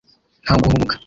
nta guhubuka